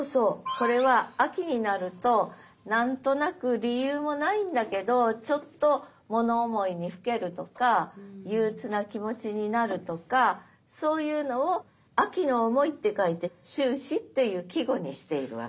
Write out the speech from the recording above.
これは秋になると何となく理由もないんだけどちょっと物思いにふけるとか憂鬱な気持ちになるとかそういうのを「秋の思い」って書いて「秋思」っていう季語にしているわけです。